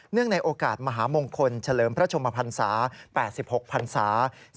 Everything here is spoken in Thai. ในโอกาสมหามงคลเฉลิมพระชมพันศา๘๖พันศา